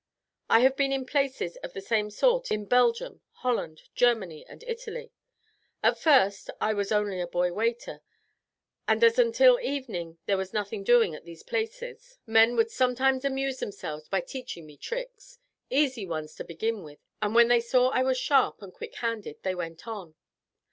I have been in places of the same sort in Belgium, Holland, Germany, and Italy. At first I was only a boy waiter, and as until evening there was nothing doing at these places, men would sometimes amuse themselves by teaching me tricks, easy ones to begin with, and when they saw I was sharp and quick handed they went on.